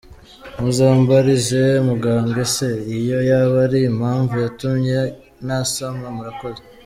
Muzambarize muganga ese, iyo yaba ari impamvu yatumye ntasama? Murakoze.